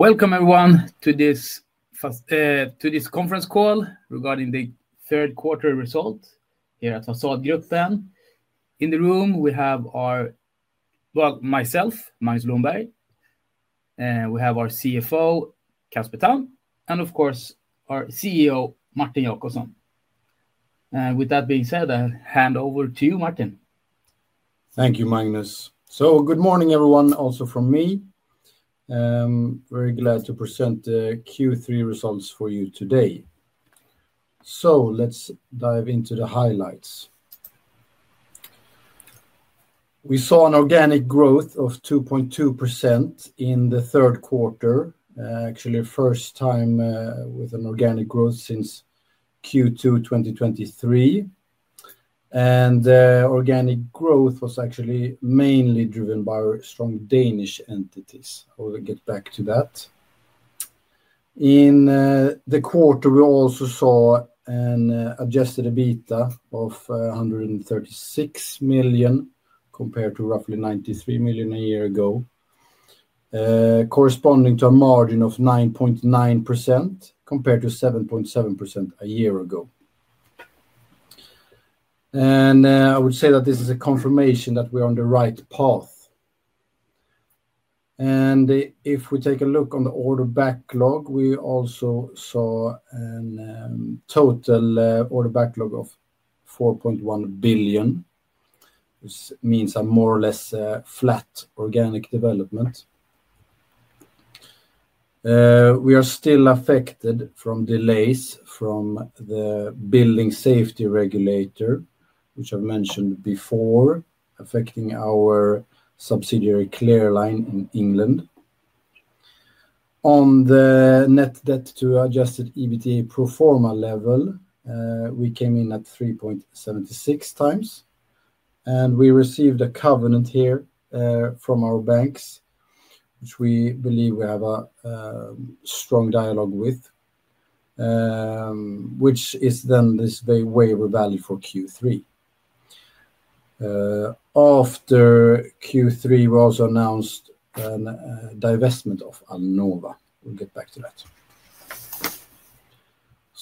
Welcome, everyone, to this conference call regarding the third quarter result here at Fasadgruppen. In the room, we have, well, myself, Magnus Blomberg, and we have our CFO, Casper Tamm, and of course, our CEO, Martin Jacobsson. With that being said, I hand over to you, Martin. Thank you, Magnus. Good morning, everyone, also from me. Very glad to present the Q3 results for you today. Let's dive into the highlights. We saw an organic growth of 2.2% in the third quarter, actually the first time with an organic growth since Q2 2023. The organic growth was actually mainly driven by strong Danish entities. I will get back to that. In the quarter, we also saw an Adjusted EBITDA of 136 million compared to roughly 93 million a year ago, corresponding to a margin of 9.9% compared to 7.7% a year ago. I would say that this is a confirmation that we are on the right path. If we take a look on the order backlog, we also saw a total order backlog of 4.1 billion, which means a more or less flat organic development. We are still affected from delays from the Building Safety Regulator, which I've mentioned before, affecting our subsidiary Clearline in England. On the net debt to Adjusted EBITDA pro forma level, we came in at 3.76x. We received a covenant here from our banks, which we believe we have a strong dialogue with, which is then this waiver value for Q3. After Q3, we also announced a divestment of Alnova. We'll get back to that.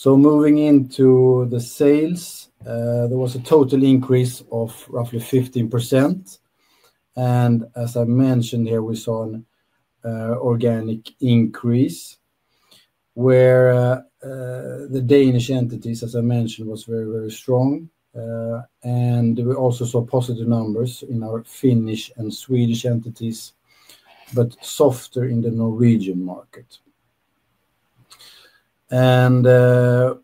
Moving into the sales, there was a total increase of roughly 15%. As I mentioned here, we saw an organic increase where the Danish entities, as I mentioned, were very, very strong. We also saw positive numbers in our Finnish and Swedish entities, but softer in the Norwegian market. I would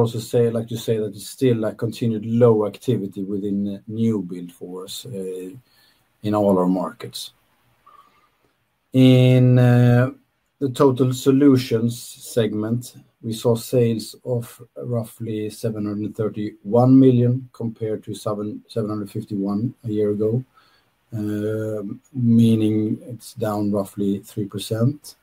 also like to say that it's still a continued low activity within new build floors in all our markets. In the total solutions segment, we saw sales of roughly 731 million compared to 751 million a year ago, meaning it's down roughly 3%.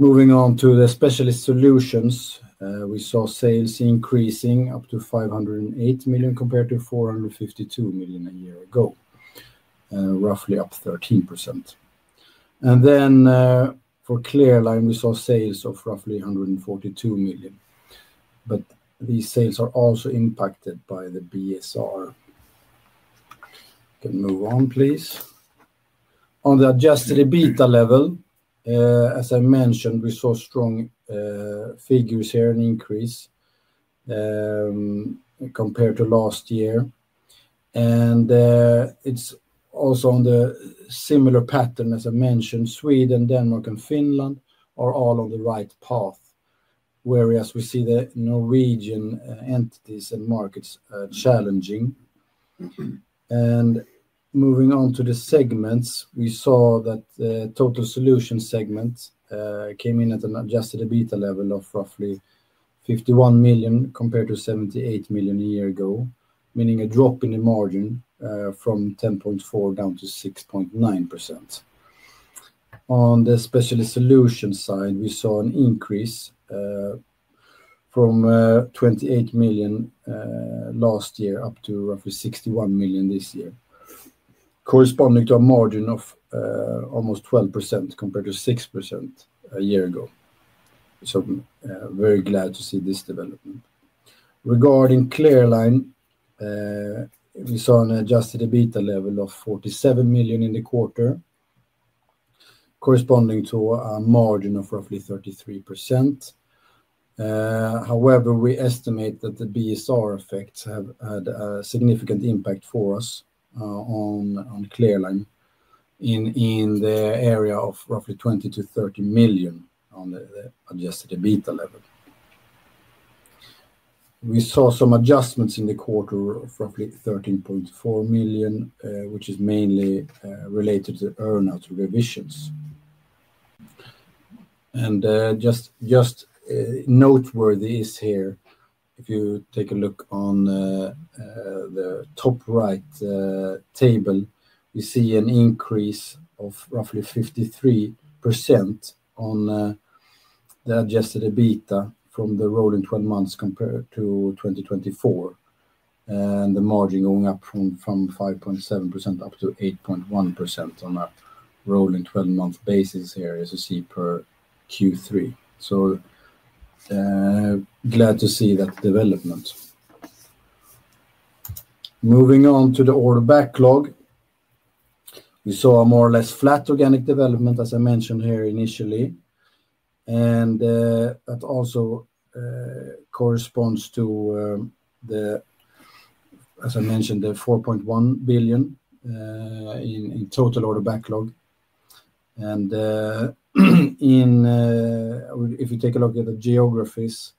Moving on to the specialist solutions, we saw sales increasing up to 508 million compared to 452 million a year ago, roughly up 13%. For Clearline, we saw sales of roughly 142 million. These sales are also impacted by the BSR. Can we move on, please? On the Adjusted EBITDA level, as I mentioned, we saw strong figures here, an increase compared to last year. It's also on the similar pattern, as I mentioned, Sweden, Denmark, and Finland are all on the right path, whereas we see the Norwegian entities and markets challenging. Moving on to the segments, we saw that the total solution segment came in at an Adjusted EBITDA level of roughly 51 million compared to 78 million a year ago, meaning a drop in the margin from 10.4% down to 6.9%. On the specialist solution side, we saw an increase from 28 million last year up to roughly 61 million this year, corresponding to a margin of almost 12% compared to 6% a year ago. Very glad to see this development. Regarding Clearline, we saw an Adjusted EBITDA level of 47 million in the quarter, corresponding to a margin of roughly 33%. However, we estimate that the BSR effects have had a significant impact for us on Clearline in the area of roughly 20 million-30 million on the Adjusted EBITDA level. We saw some adjustments in the quarter of roughly 13.4 million, which is mainly related to earnout revisions. Just noteworthy is here, if you take a look on the top right table, we see an increase of roughly 53% on the Adjusted EBITDA from the rolling 12 months compared to 2024. The margin going up from 5.7% up to 8.1% on a rolling 12-month basis here as you see per Q3. Glad to see that development. Moving on to the order backlog, we saw a more or less flat organic development, as I mentioned here initially. That also corresponds to, as I mentioned, the 4.1 billion in total order backlog. If you take a look at the geographies,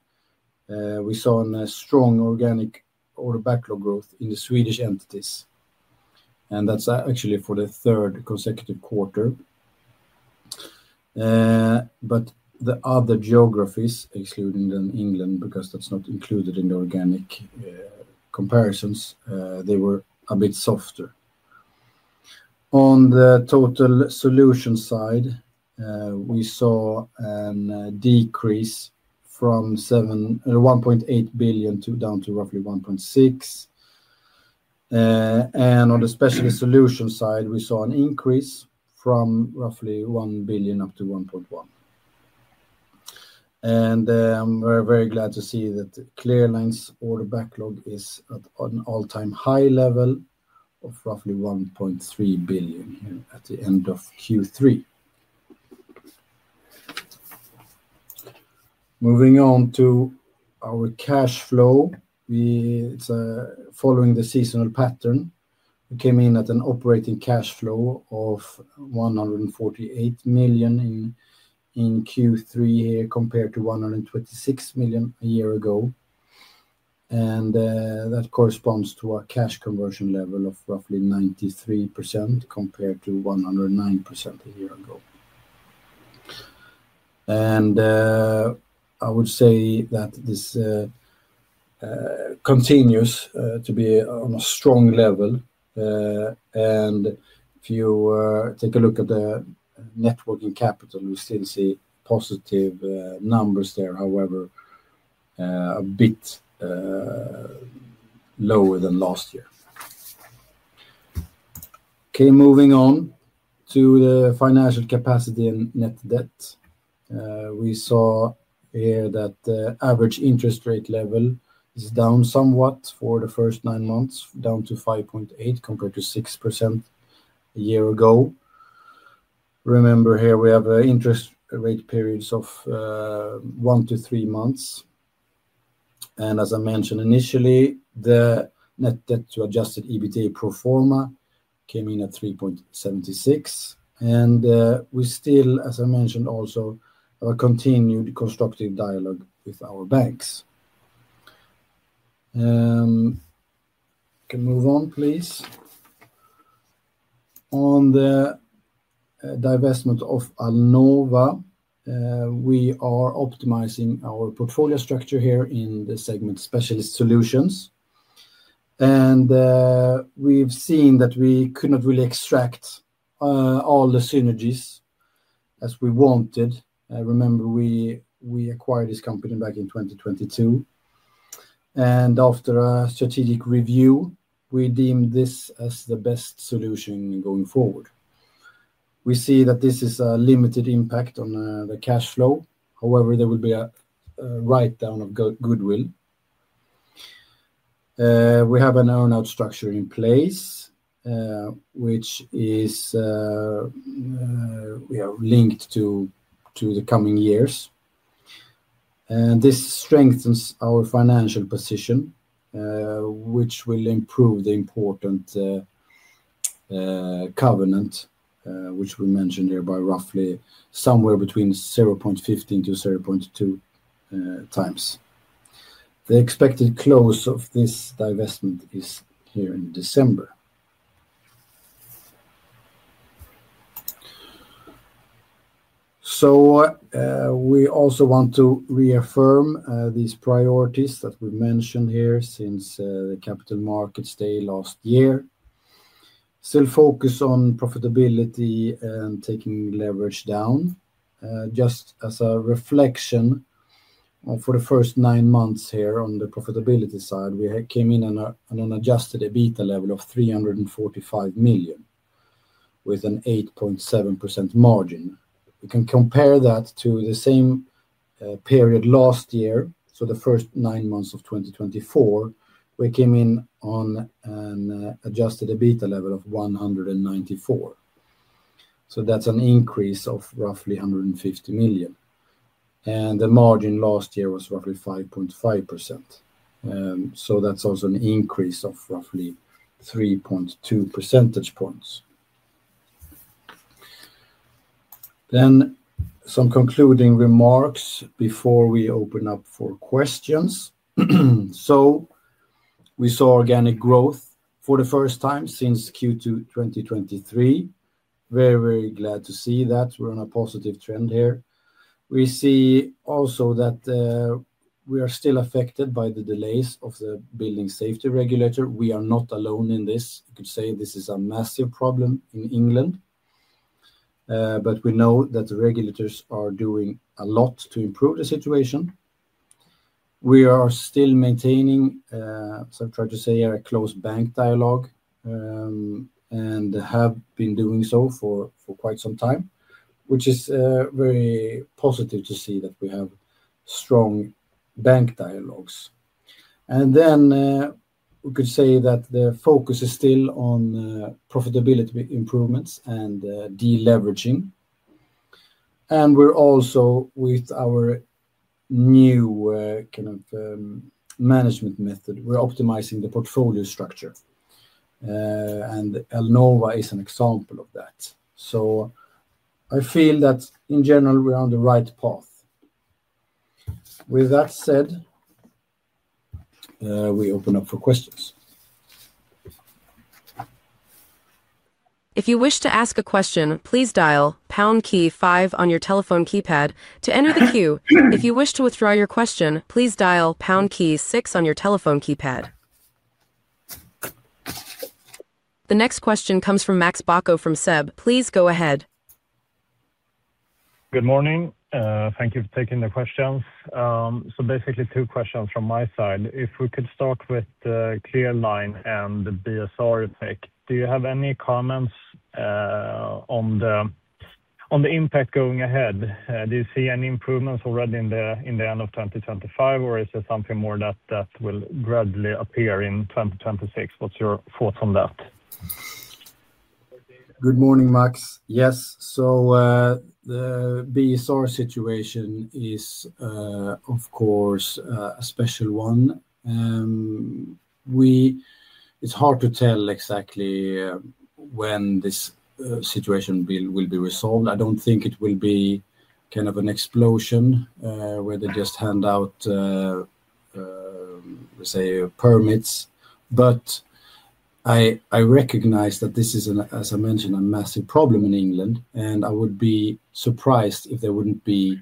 we saw a strong organic order backlog growth in the Swedish entities. That is actually for the third consecutive quarter. The other geographies, excluding England, because that's not included in the organic comparisons, they were a bit softer. On the total solution side, we saw a decrease from 1.8 billion down to roughly 1.6 billion. On the specialist solution side, we saw an increase from roughly 1 billion up to 1.1 billion. We are very glad to see that Clearline's order backlog is at an all-time high level of roughly 1.3 billion at the end of Q3. Moving on to our cash flow, following the seasonal pattern, we came in at an operating cash flow of 148 million in Q3 here compared to 126 million a year ago. That corresponds to a cash conversion level of roughly 93% compared to 109% a year ago. I would say that this continues to be on a strong level. If you take a look at the networking capital, we still see positive numbers there, however, a bit lower than last year. Moving on to the financial capacity and net debt. We saw here that the average interest rate level is down somewhat for the first nine months, down to 5.8% compared to 6% a year ago. Remember here, we have interest rate periods of one to three months. As I mentioned initially, the net debt to Adjusted EBITDA pro forma came in at 3.76x. We still, as I mentioned, also have a continued constructive dialogue with our banks. Can we move on, please? On the divestment of Alnova, we are optimizing our portfolio structure here in the segment specialist solutions. We have seen that we could not really extract all the synergies as we wanted. Remember, we acquired this company back in 2022. After a strategic review, we deemed this as the best solution going forward. We see that this is a limited impact on the cash flow. However, there will be a write-down of goodwill. We have an earnout structure in place, which we have linked to the coming years. This strengthens our financial position, which will improve the important covenant, which we mentioned here by roughly somewhere between 0.15x-0.2x. The expected close of this divestment is here in December. We also want to reaffirm these priorities that we've mentioned here since the capital markets day last year. Still focus on profitability and taking leverage down. Just as a reflection for the first nine months here on the profitability side, we came in on an Adjusted EBITDA level of 345 million with an 8.7% margin. We can compare that to the same period last year. For the first nine months of 2024, we came in on an Adjusted EBITDA level of 194 million. That is an increase of roughly 150 million. The margin last year was roughly 5.5%. That is also an increase of roughly 3.2 percentage points. Some concluding remarks before we open up for questions. We saw organic growth for the first time since Q2 2023. Very, very glad to see that we are on a positive trend here. We see also that we are still affected by the delays of the Building Safety Regulator. We are not alone in this. You could say this is a massive problem in England. We know that the regulators are doing a lot to improve the situation. We are still maintaining, as I tried to say here, a close bank dialogue and have been doing so for quite some time, which is very positive to see that we have strong bank dialogues. We could say that the focus is still on profitability improvements and deleveraging. We are also, with our new kind of management method, optimizing the portfolio structure. Alnova is an example of that. I feel that in general, we are on the right path. With that said, we open up for questions. If you wish to ask a question, please dial pound key five on your telephone keypad to enter the queue. If you wish to withdraw your question, please dial pound key six on your telephone keypad. The next question comes from Max Bacco from SEB. Please go ahead. Good morning. Thank you for taking the questions. Basically, two questions from my side. If we could start with Clearline and BSR, do you have any comments on the impact going ahead? Do you see any improvements already in the end of 2025, or is it something more that will gradually appear in 2026? What's your thought on that? Good morning, Max. Yes. The BSR situation is, of course, a special one. It's hard to tell exactly when this situation will be resolved. I don't think it will be kind of an explosion where they just hand out, let's say, permits. I recognize that this is, as I mentioned, a massive problem in England. I would be surprised if there wouldn't be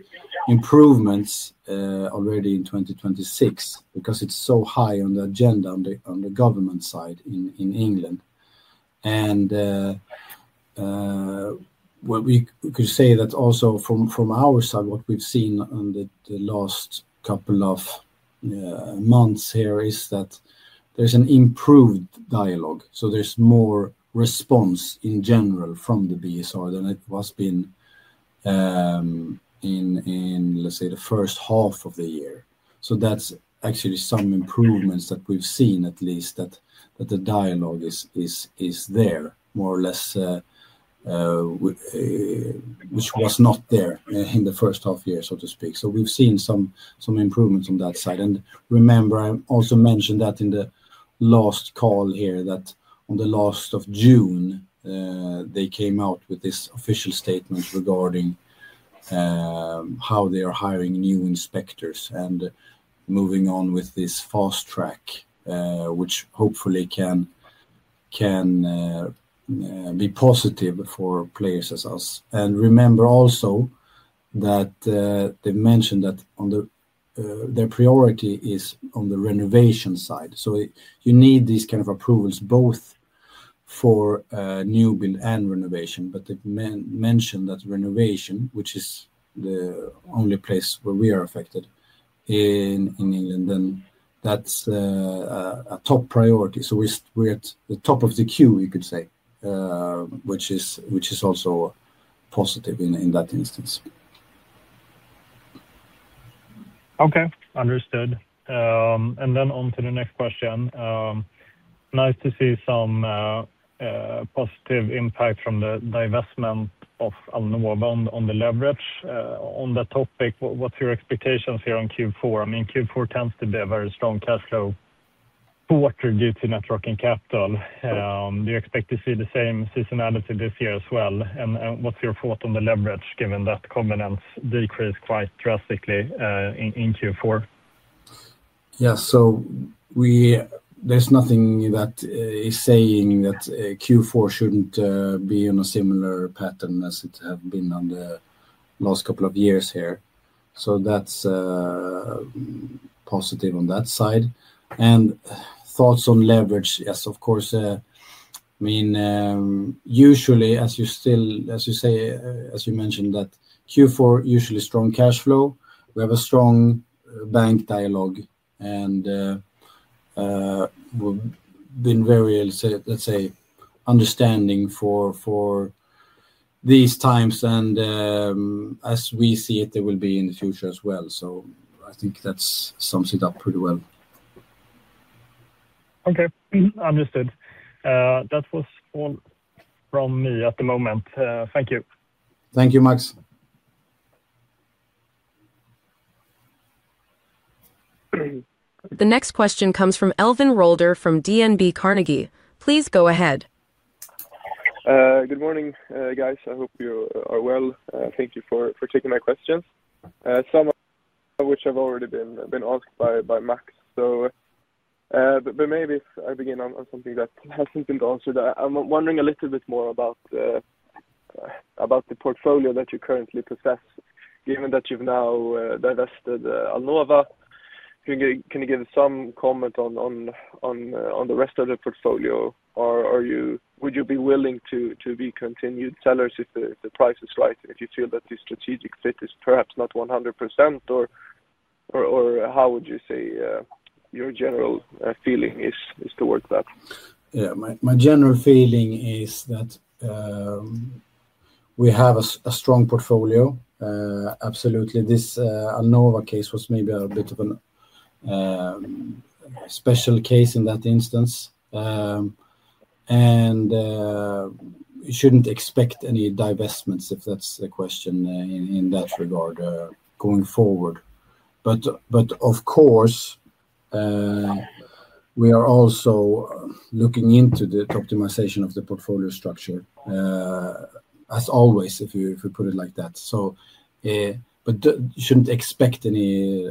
improvements already in 2026 because it's so high on the agenda on the government side in England. We could say that also from our side, what we've seen in the last couple of months here is that there's an improved dialogue. There's more response in general from the BSR than it has been in, let's say, the first half of the year. That's actually some improvements that we've seen, at least, that the dialogue is there, more or less, which was not there in the first half year, so to speak. We've seen some improvements on that side. Remember, I also mentioned that in the last call here that on the last of June, they came out with this official statement regarding how they are hiring new inspectors and moving on with this fast track, which hopefully can be positive for players as us. Remember also that they've mentioned that their priority is on the renovation side. You need these kind of approvals both for new build and renovation. They mentioned that renovation, which is the only place where we are affected in England, is a top priority. We are at the top of the queue, you could say, which is also positive in that instance. Okay. Understood. On to the next question. Nice to see some positive impact from the divestment of Alnova on the leverage. On that topic, what's your expectations here on Q4? I mean, Q4 tends to be a very strong cash flow quarter due to networking capital. Do you expect to see the same seasonality this year as well? What's your thought on the leverage given that covenants decreased quite drastically in Q4? Yeah. There is nothing that is saying that Q4 should not be in a similar pattern as it has been in the last couple of years here. That is positive on that side. Thoughts on leverage? Yes, of course. I mean, usually, as you say, as you mentioned, Q4 usually has strong cash flow. We have a strong bank dialogue. We have been very, let's say, understanding for these times. As we see it, there will be in the future as well. I think that sums it up pretty well. Okay. Understood. That was all from me at the moment. Thank you. Thank you, Max. The next question comes from Elvin Rolder from DNB Carnegie. Please go ahead. Good morning, guys. I hope you are well. Thank you for taking my questions. Some, which have already been asked by Max. Maybe I begin on something that hasn't been answered. I'm wondering a little bit more about the portfolio that you currently possess, given that you've now divested Alnova. Can you give some comment on the rest of the portfolio? Would you be willing to be continued sellers if the price is right, if you feel that your strategic fit is perhaps not 100%? How would you say your general feeling is towards that? Yeah. My general feeling is that we have a strong portfolio. Absolutely. This Alnova case was maybe a bit of a special case in that instance. We shouldn't expect any divestments, if that's the question in that regard, going forward. Of course, we are also looking into the optimization of the portfolio structure, as always, if we put it like that. We shouldn't expect any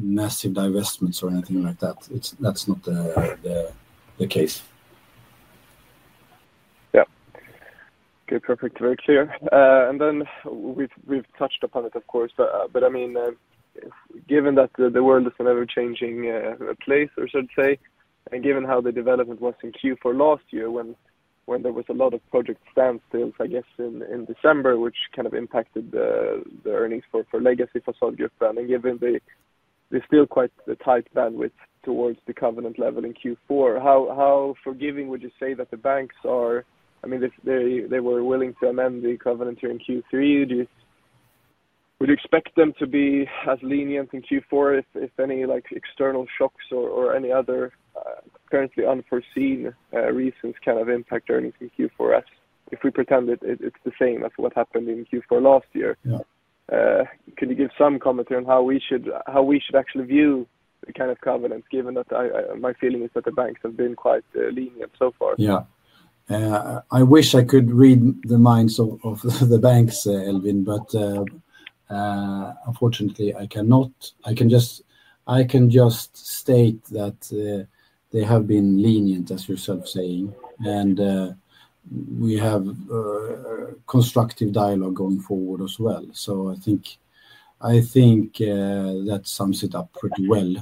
massive divestments or anything like that. That's not the case. Yeah. Okay. Perfect. Very clear. Then we've touched upon it, of course. I mean, given that the world is an ever-changing place, or should I say, and given how the development was in Q4 last year when there was a lot of project standstills, I guess, in December, which kind of impacted the earnings for Legacy Fasadgruppen. Given there's still quite a tight bandwidth towards the covenant level in Q4, how forgiving would you say that the banks are? I mean, they were willing to amend the covenant here in Q3. Would you expect them to be as lenient in Q4 if any external shocks or any other currently unforeseen reasons kind of impact earnings in Q4? If we pretend it's the same as what happened in Q4 last year, could you give some comment on how we should actually view the kind of covenants, given that my feeling is that the banks have been quite lenient so far? Yeah. I wish I could read the minds of the banks, Elvin, but unfortunately, I cannot. I can just state that they have been lenient, as yourself saying. We have constructive dialogue going forward as well. I think that sums it up pretty well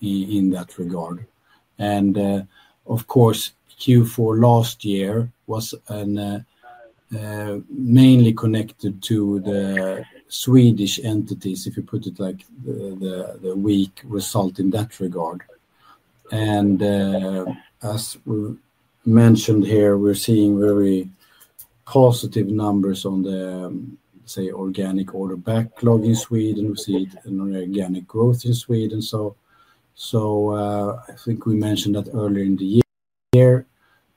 in that regard. Of course, Q4 last year was mainly connected to the Swedish entities, if you put it like the weak result in that regard. As we mentioned here, we're seeing very positive numbers on the, say, organic order backlog in Sweden. We see an organic growth in Sweden. I think we mentioned that earlier in the year,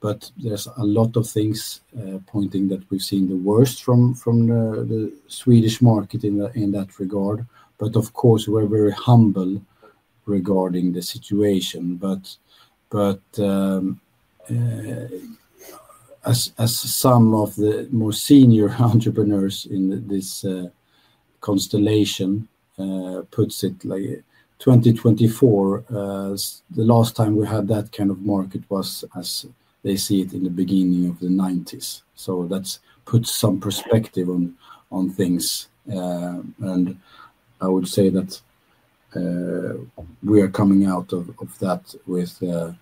but there are a lot of things pointing that we've seen the worst from the Swedish market in that regard. Of course, we're very humble regarding the situation. As some of the more senior entrepreneurs in this constellation put it, 2024, the last time we had that kind of market was, as they see it, in the beginning of the 1990s. That puts some perspective on things. I would say that we are coming out of that with a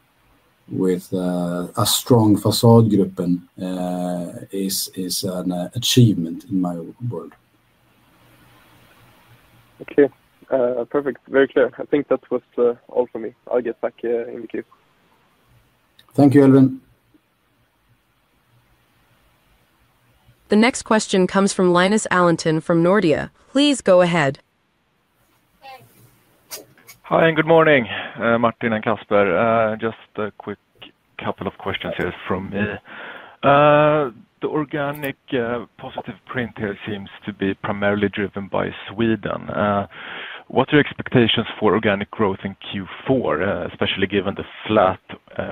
strong Fasadgruppen is an achievement in my world. Okay. Perfect. Very clear. I think that was all for me. I'll get back in the queue. Thank you, Elvin. The next question comes from Linus Alentun from Nordea. Please go ahead. Hi, and good morning, Martin and Casper. Just a quick couple of questions here from me. The organic positive print here seems to be primarily driven by Sweden. What are your expectations for organic growth in Q4, especially given the flat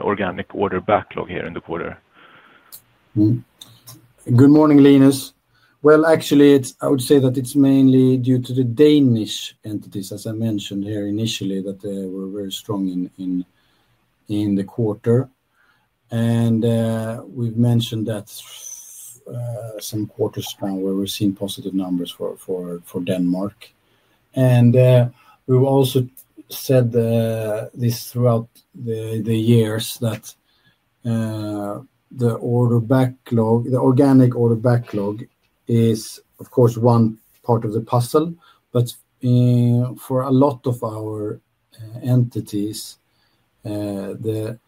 organic order backlog here in the quarter? Good morning, Linus. Actually, I would say that it's mainly due to the Danish entities, as I mentioned here initially, that they were very strong in the quarter. We've mentioned that some quarters now where we've seen positive numbers for Denmark. We've also said this throughout the years that the organic order backlog is, of course, one part of the puzzle. For a lot of our entities, the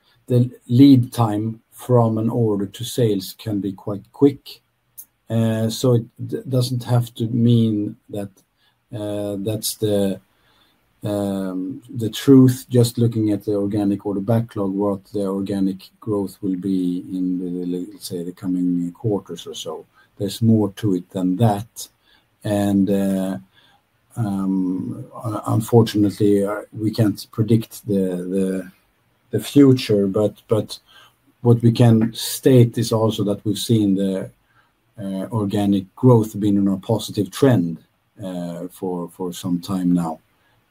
lead time from an order to sales can be quite quick. It doesn't have to mean that that's the truth. Just looking at the organic order backlog, what the organic growth will be in, let's say, the coming quarters or so. There's more to it than that. Unfortunately, we can't predict the future. What we can state is also that we've seen the organic growth been in a positive trend for some time now.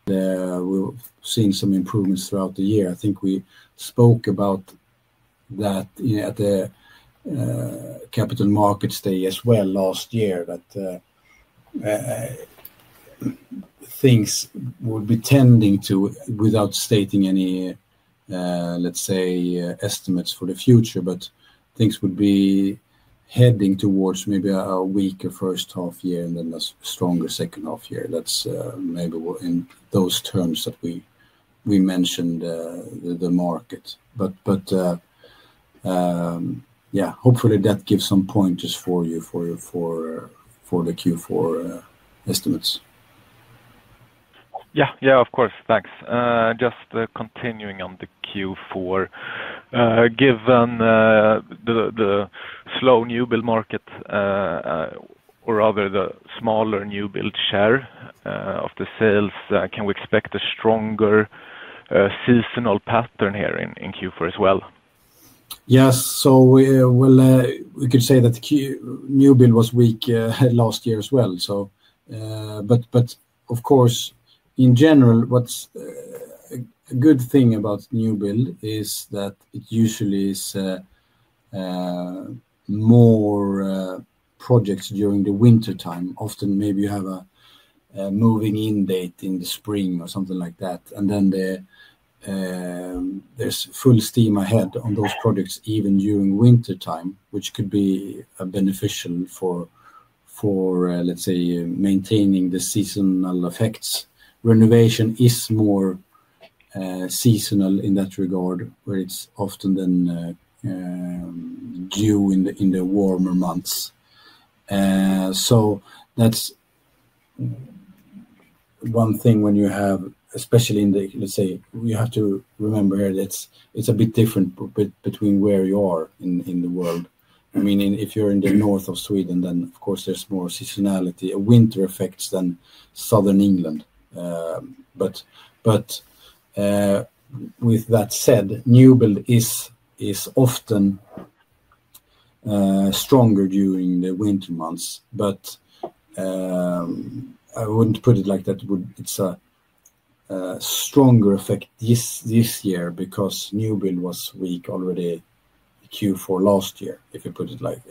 We've seen some improvements throughout the year. I think we spoke about that at the capital markets day as well last year, that things would be tending to, without stating any, let's say, estimates for the future, but things would be heading towards maybe a weaker first half year and then a stronger second half year. That's maybe in those terms that we mentioned the market. Hopefully, that gives some pointers for you for the Q4 estimates. Yeah. Yeah, of course. Thanks. Just continuing on the Q4, given the slow new build market, or rather the smaller new build share of the sales, can we expect a stronger seasonal pattern here in Q4 as well? Yes. We could say that new build was weak last year as well. Of course, in general, what's a good thing about new build is that it usually is more projects during the wintertime. Often maybe you have a moving-in date in the spring or something like that. There is full steam ahead on those projects even during wintertime, which could be beneficial for, let's say, maintaining the seasonal effects. Renovation is more seasonal in that regard, where it's often then due in the warmer months. That's one thing when you have, especially in the, let's say, you have to remember here that it's a bit different between where you are in the world. I mean, if you're in the north of Sweden, then of course there's more seasonality, winter effects than southern England. With that said, new build is often stronger during the winter months. I wouldn't put it like that. It's a stronger effect this year because new build was weak already Q4 last year, if you put it like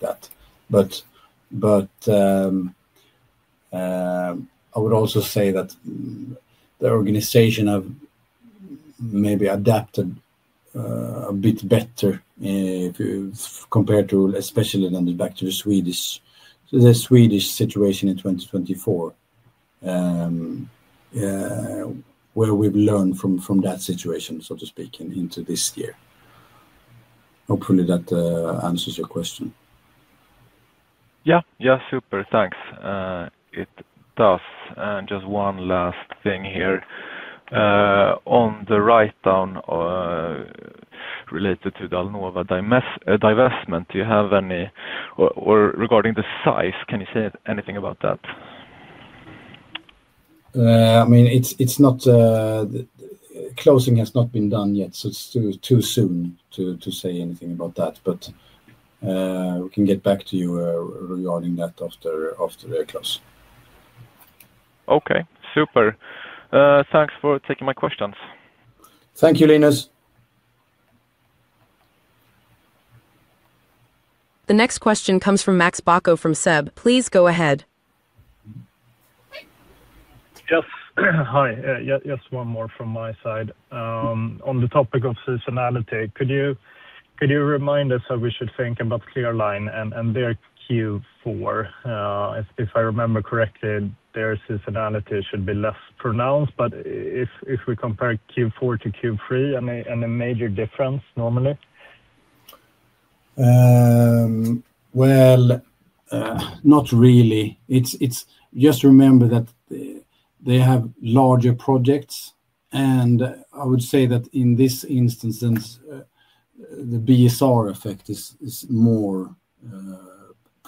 that. I would also say that the organization maybe adapted a bit better compared to, especially then back to the Swedish situation in 2024, where we've learned from that situation, so to speak, into this year. Hopefully, that answers your question. Yeah. Yeah. Super. Thanks. It does. Just one last thing here. On the write-down related to the Alnova divestment, do you have any, or regarding the size, can you say anything about that? I mean, closing has not been done yet, so it's too soon to say anything about that. But we can get back to you regarding that after the close. Okay. Super. Thanks for taking my questions. Thank you, Linus. The next question comes from Max Bacco from SEB. Please go ahead. Yes. Hi. Yes, one more from my side. On the topic of seasonality, could you remind us how we should think about Clearline and their Q4? If I remember correctly, their seasonality should be less pronounced. If we compare Q4 to Q3, any major difference normally? Not really. Just remember that they have larger projects.I would say that in this instance, the BSR effect is more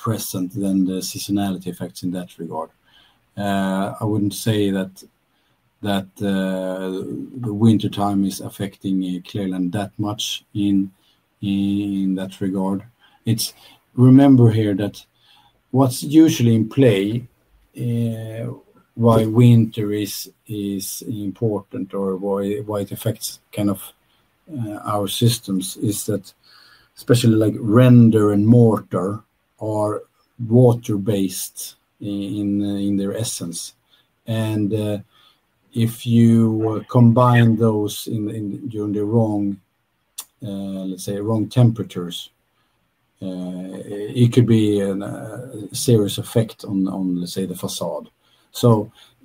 present than the seasonality effects in that regard. I would not say that the wintertime is affecting Clearline that much in that regard. Remember here that what is usually in play, why winter is important or why it affects kind of our systems, is that especially render and mortar are water-based in their essence. If you combine those during the wrong, let's say, wrong temperatures, it could be a serious effect on, let's say, the facade.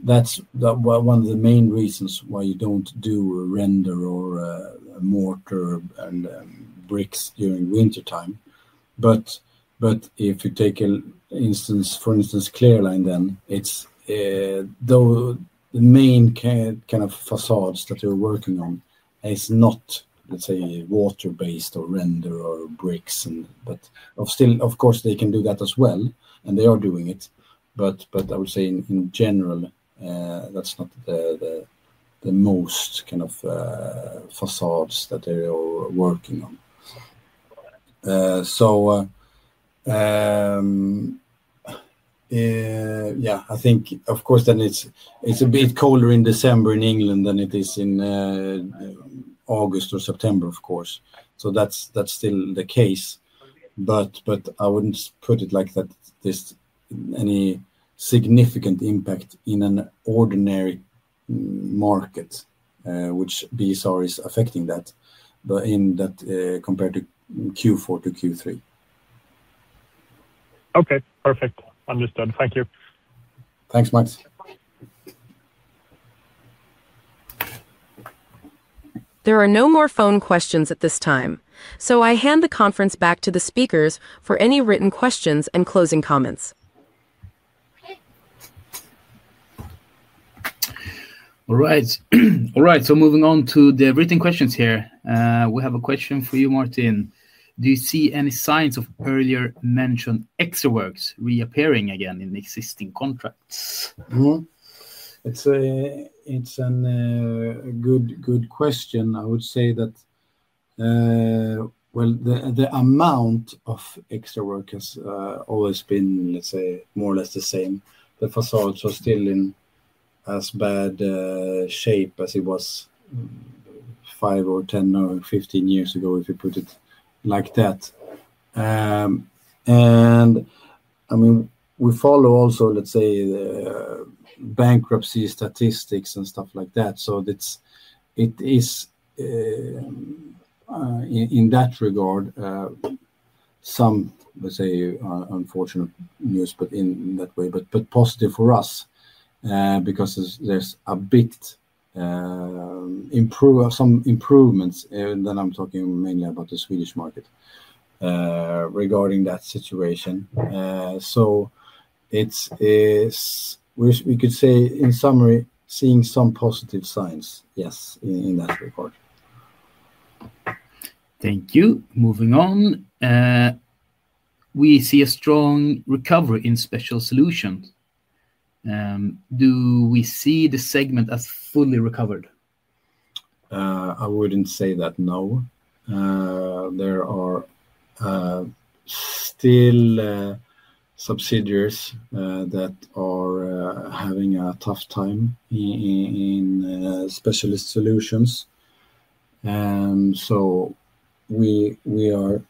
That is one of the main reasons why you do not do render or mortar and bricks during wintertime. If you take an instance, for instance, Clearline then, though the main kind of facades that they are working on is not, let's say, water-based or render or bricks. Of course, they can do that as well, and they are doing it. I would say in general, that's not the most kind of facades that they are working on. Yeah, I think, of course, then it's a bit colder in December in England than it is in August or September, of course. That's still the case. I wouldn't put it like that there's any significant impact in an ordinary market, which BSR is affecting that compared to Q4 to Q3. Okay. Perfect. Understood. Thank you. Thanks, Max. There are no more phone questions at this time. I hand the conference back to the speakers for any written questions and closing comments. All right. All right. Moving on to the written questions here. We have a question for you, Martin. Do you see any signs of earlier mentioned extra works reappearing again in existing contracts? It's a good question. I would say that the amount of extra work has always been, let's say, more or less the same. The facades are still in as bad shape as it was five or 10 or 15 years ago, if you put it like that. I mean, we follow also, let's say, bankruptcy statistics and stuff like that. It is, in that regard, some, let's say, unfortunate news in that way. Positive for us because there's a bit of some improvements. I am talking mainly about the Swedish market regarding that situation. We could say, in summary, seeing some positive signs, yes, in that regard. Thank you. Moving on. We see a strong recovery in specialist solutions. Do we see the segment as fully recovered? I wouldn't say that, no. There are still subsidiaries that are having a tough time in specialist solutions. We are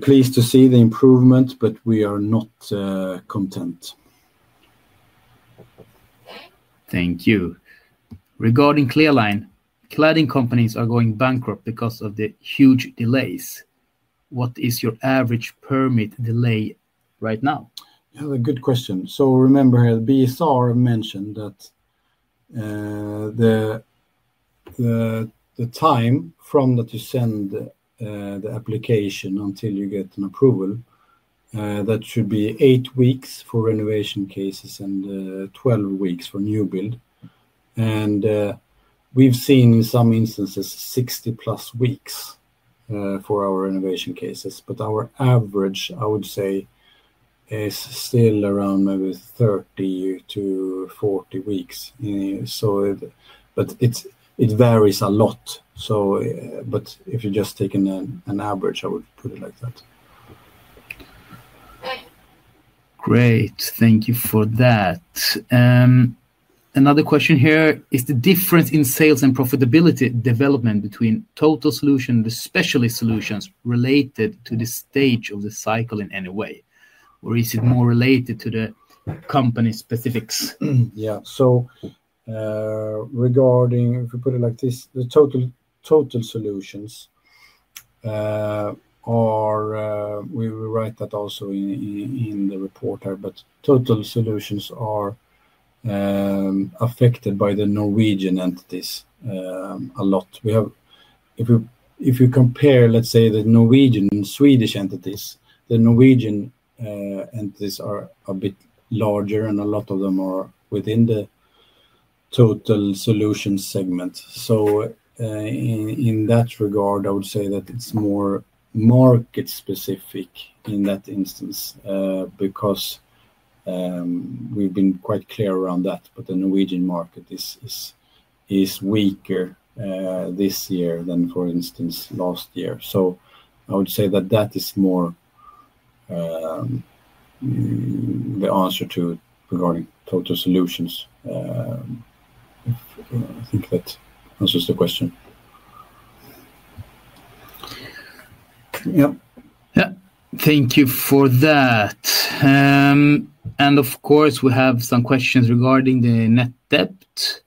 pleased to see the improvement, but we are not content. Thank you. Regarding Clearline, cladding companies are going bankrupt because of the huge delays. What is your average permit delay right now? That is a good question. Remember here, the BSR mentioned that the time from when you send the application until you get an approval should be eight weeks for renovation cases and twelve weeks for new build. We have seen in some instances 60+ weeks for our renovation cases. Our average, I would say, is still around maybe 30-40 weeks. It varies a lot. If you are just taking an average, I would put it like that. Great. Thank you for that. Another question here is the difference in sales and profitability development between total solutions and the specialist solutions related to the stage of the cycle in any way? Or is it more related to the company specifics? Yeah. So regarding, if we put it like this, the total solutions are, we will write that also in the report here. But total solutions are affected by the Norwegian entities a lot. If you compare, let's say, the Norwegian and Swedish entities, the Norwegian entities are a bit larger, and a lot of them are within the total solutions segment. In that regard, I would say that it's more market-specific in that instance because we've been quite clear around that. The Norwegian market is weaker this year than, for instance, last year. I would say that that is more the answer to regarding total solutions. I think that answers the question. Yeah. Yeah. Thank you for that. Of course, we have some questions regarding the net debt.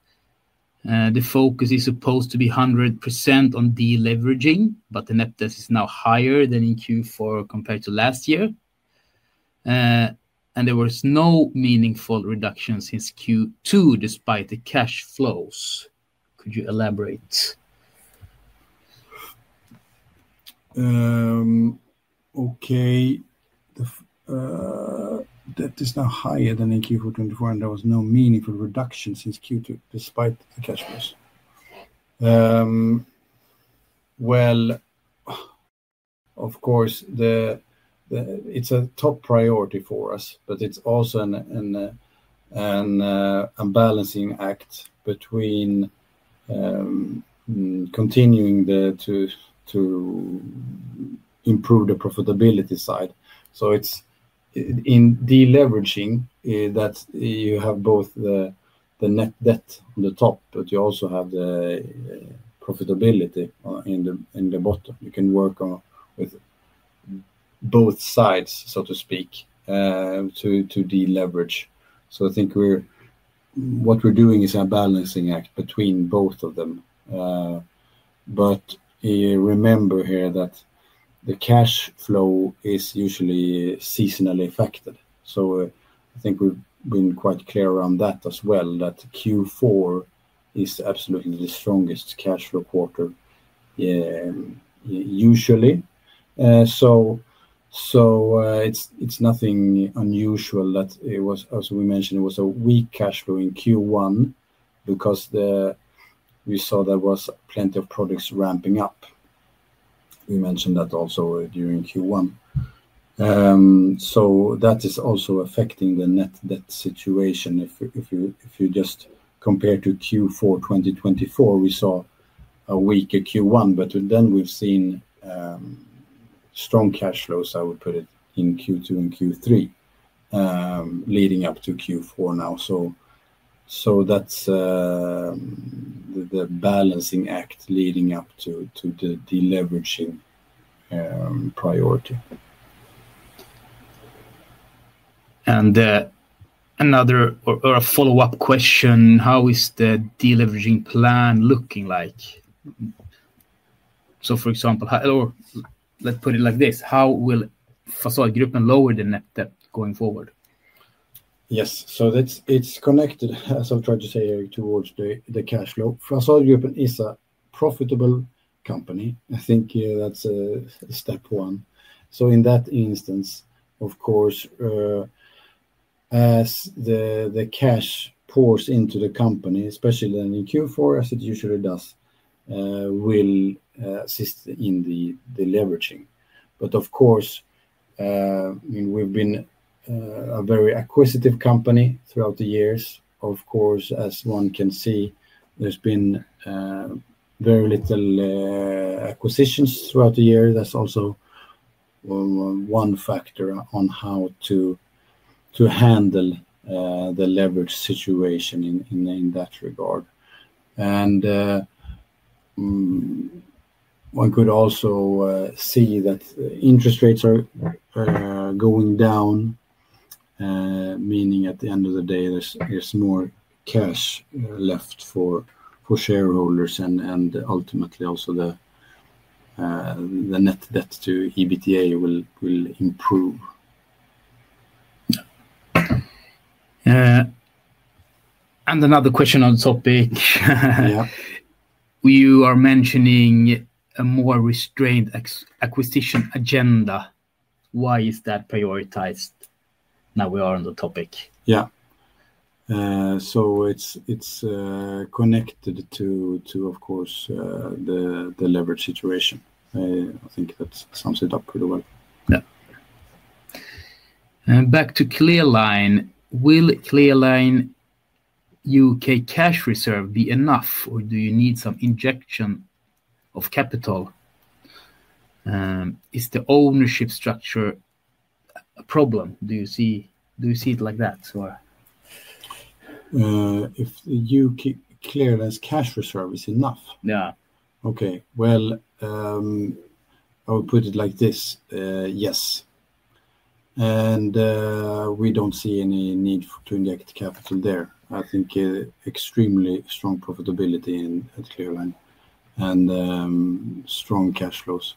The focus is supposed to be 100% on deleveraging, but the net debt is now higher than in Q4 compared to last year. There was no meaningful reduction since Q2 despite the cash flows. Could you elaborate? Okay. The debt is now higher than in Q4 2024, and there was no meaningful reduction since Q2 despite the cash flows. Of course, it is a top priority for us, but it is also a balancing act between continuing to improve the profitability side. In deleveraging, you have both the net debt on the top, but you also have the profitability in the bottom. You can work with both sides, so to speak, to deleverage. I think what we're doing is a balancing act between both of them. Remember here that the cash flow is usually seasonally affected. I think we've been quite clear around that as well, that Q4 is absolutely the strongest cash flow quarter usually. It's nothing unusual that it was, as we mentioned, a weak cash flow in Q1 because we saw there was plenty of products ramping up. We mentioned that also during Q1. That is also affecting the net debt situation. If you just compare to Q4 2024, we saw a weaker Q1, but then we've seen strong cash flows, I would put it, in Q2 and Q3 leading up to Q4 now. That's the balancing act leading up to the deleveraging priority. Another or a follow-up question, how is the deleveraging plan looking like? For example, or let's put it like this, how will Fasadgruppen Group lower the net debt going forward? Yes. It is connected, as I've tried to say here, towards the cash flow. Fasadgruppen Group is a profitable company. I think that's step one. In that instance, of course, as the cash pours into the company, especially then in Q4, as it usually does, it will assist in the deleveraging. Of course, we've been a very acquisitive company throughout the years. As one can see, there's been very few acquisitions throughout the year. That's also one factor on how to handle the leverage situation in that regard. One could also see that interest rates are going down, meaning at the end of the day, there's more cash left for shareholders. Ultimately, also the net debt to EBITDA will improve. Another question on the topic. You are mentioning a more restrained acquisition agenda. Why is that prioritized now we are on the topic? Yeah. It is connected to, of course, the leverage situation. I think that sums it up pretty well. Yeah. Back to Clearline, will Clearline U.K. cash reserve be enough, or do you need some injection of capital? Is the ownership structure a problem? Do you see it like that, or? If U.K. Clearline's cash reserve is enough? Yeah. Okay. I would put it like this, yes. We do not see any need to inject capital there. I think extremely strong profitability at Clearline and strong cash flows.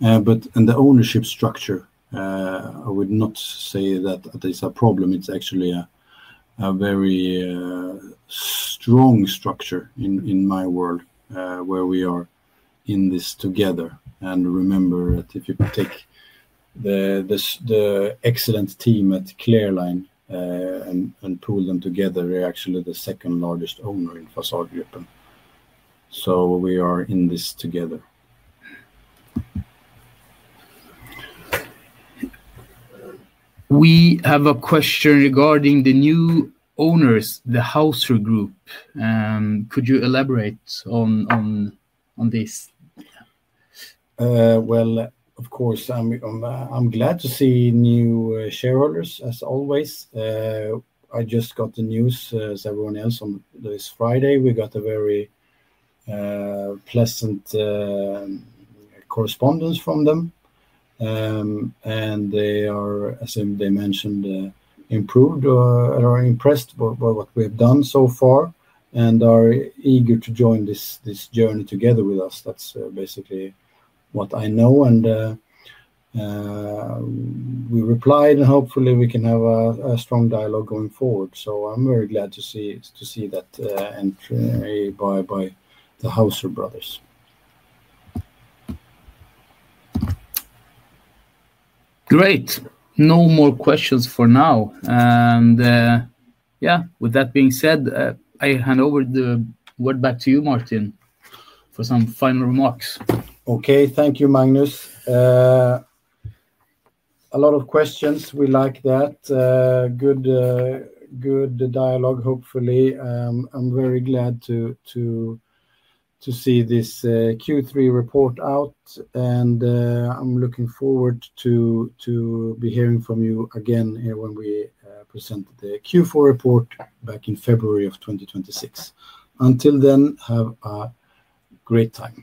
The ownership structure, I would not say that it is a problem. It is actually a very strong structure in my world where we are in this together. Remember that if you take the excellent team at Clearline and pull them together, they're actually the second largest owner in Fasadgruppen. We are in this together. We have a question regarding the new owners, the Houser Group. Could you elaborate on this? Of course, I'm glad to see new shareholders, as always. I just got the news as everyone else on this Friday. We got a very pleasant correspondence from them. They are, as they mentioned, impressed by what we have done so far and are eager to join this journey together with us. That's basically what I know. We replied, and hopefully, we can have a strong dialogue going forward. I'm very glad to see that entry by the Houser brothers. Great. No more questions for now. Yeah, with that being said, I hand over the word back to you, Martin, for some final remarks. Okay. Thank you, Magnus. A lot of questions. We like that. Good dialogue, hopefully. I'm very glad to see this Q3 report out. I'm looking forward to hearing from you again here when we present the Q4 report back in February of 2026. Until then, have a great time.